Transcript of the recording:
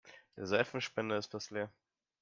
Der Seifenspender ist fast leer.